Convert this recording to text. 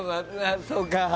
そうか。